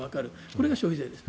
これが消費税です。